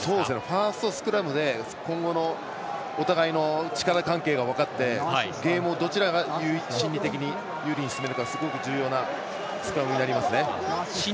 ファーストスクラムで今後のお互いの力関係が分かってゲームを、どちらが心理的に有利に進めるかすごく重要なスクラムになります。